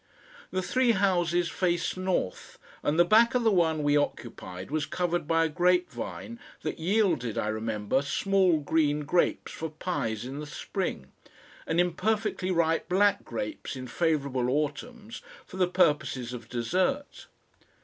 The three houses faced north, and the back of the one we occupied was covered by a grape vine that yielded, I remember, small green grapes for pies in the spring, and imperfectly ripe black grapes in favourable autumns for the purposes of dessert.